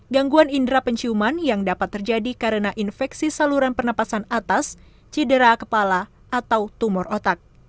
gangguan indera penciuman yang dapat terjadi karena infeksi saluran pernapasan atas cedera kepala atau tumor otak